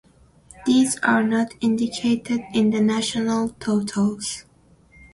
These are not indicated in the national totals.